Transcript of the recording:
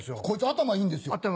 こいつ頭いいんですよ。